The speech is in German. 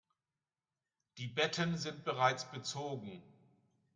Die Betten sind bereits bezogen.